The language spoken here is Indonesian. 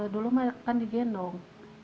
dulu kan digendong